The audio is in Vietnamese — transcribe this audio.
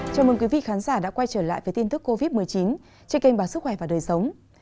chào mừng quý vị khán giả đã quay trở lại với tin tức covid một mươi chín trên kênh báo sức khỏe và đời sống